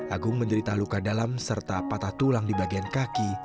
agung menderita luka dalam serta patah tulang di bagian kaki